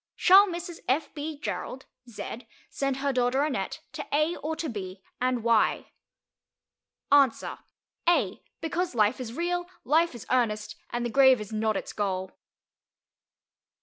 Shall Mrs. F. B. Gerald (Z) send her daughter Annette to A or to B, and why? Answer: A, because life is real, life is earnest, and the grave is not its goal.